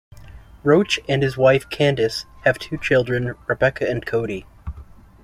Roach and his wife, Candyce, have two children: Rebecca and Cody.